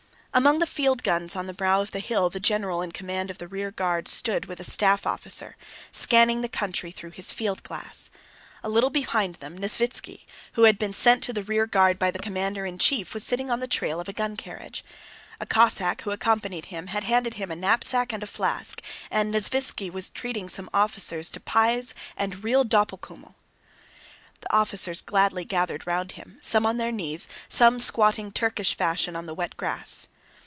Among the field guns on the brow of the hill the general in command of the rearguard stood with a staff officer, scanning the country through his fieldglass. A little behind them Nesvítski, who had been sent to the rearguard by the commander in chief, was sitting on the trail of a gun carriage. A Cossack who accompanied him had handed him a knapsack and a flask, and Nesvítski was treating some officers to pies and real doppelkümmel. The officers gladly gathered round him, some on their knees, some squatting Turkish fashion on the wet grass.